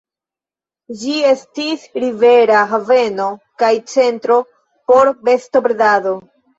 Ĝi estis rivera haveno kaj centro por bestobredado.